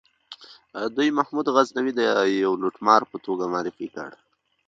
دوی محمود غزنوي د یوه لوټمار په توګه معرفي کړ.